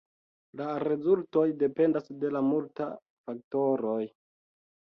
La rezultoj dependas de multa faktoroj.